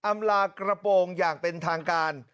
อำลากระโปรงอย่างเป็นทางการ